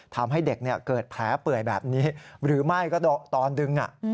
ทำให้เด็กเกิดแผลเปื่อยแบบนี้หรือไม่ก็ตอนดึง